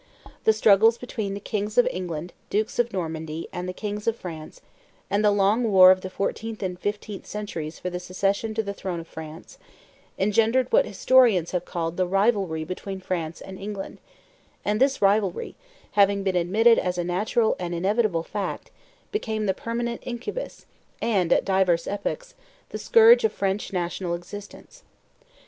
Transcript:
The struggles between the kings of England, dukes of Normandy, and the kings of France, and the long war of the fourteenth and fifteenth centuries for the succession to the throne of France, engendered what historians have called "the rivalry between France and England;" and this rivalry, having been admitted as a natural and inevitable fact, became the permanent incubus and, at divers epochs, the scourge of French national existence.